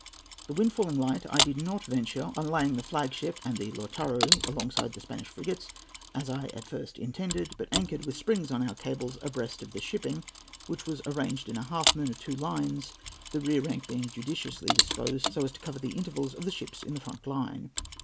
"The wind falling light, I did not venture on laying the flag ship and the Lautaro alongside the Spanish frigates, as I at first intended, but anchored with springs on our cables, abreast of the shipping, which was arranged in a half moon of two lines, the rear rank being judiciously disposed so as to cover the intervals of the ships in the front line.